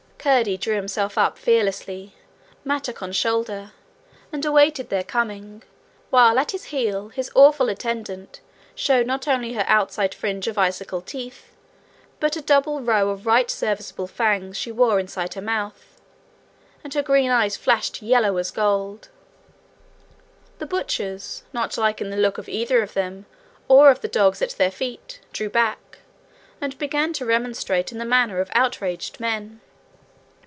Curdie drew himself up fearlessly, mattock on shoulder, and awaited their coming, while at his heel his awful attendant showed not only her outside fringe of icicle teeth, but a double row of right serviceable fangs she wore inside her mouth, and her green eyes flashed yellow as gold. The butchers, not liking the look of either of them or of the dogs at their feet, drew back, and began to remonstrate in the manner of outraged men.